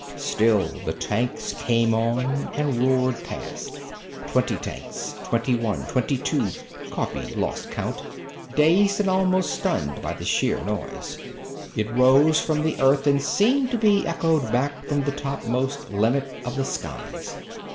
Still the tanks came on and roared past. Twenty tanks, twenty one ... twenty two.... Coffee lost count, dazed and almost stunned by the sheer noise. It rose from the earth and seemed to be echoed back from the topmost limit of the skies.